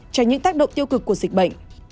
cho những tác động tiêu cực của dịch bệnh